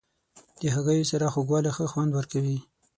د هګیو سره خوږوالی ښه خوند ورکوي.